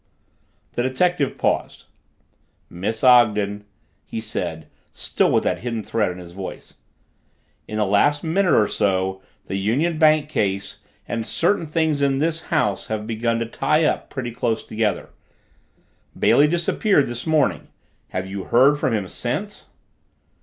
The detective paused. "Miss Ogden," he said, still with that hidden threat in his voice, "in the last minute or so the Union Bank case and certain things in this house have begun to tie up pretty close together. Bailey disappeared this morning. Have you heard from him since?"